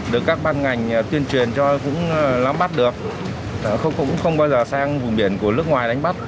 được các ban ngành tuyên truyền cho cũng lắm bắt được cũng không bao giờ sang vùng biển của nước ngoài đánh bắt